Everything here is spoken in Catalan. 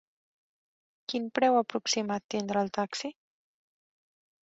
Quin preu aproximat tindrà el taxi?